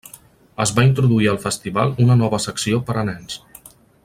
Es va introduir al festival una nova secció per a nens.